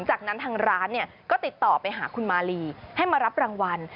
จากนั้นทางร้านก็ติดต่อไปหาคุณมาลีให้มารับรางวัล